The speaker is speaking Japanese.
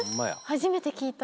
初めて聞いた。